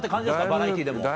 バラエティーでも。